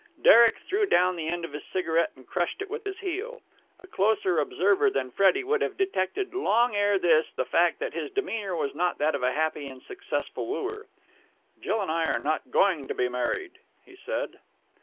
Derek threw down the end of his cigarette, and crushed it with his heel. A closer observer than Freddie would have detected long ere this the fact that his demeanour was not that of a happy and successful wooer. "Jill and I are not going to be married," he said.